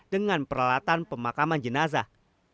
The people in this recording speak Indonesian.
dengan peralatan pemakaman jenazah